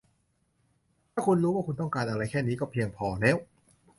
ถ้าคุณรู้ว่าคุณต้องการอะไร แค่นี้ก็เพียงพอแล้ว